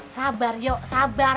sabar yuk sabar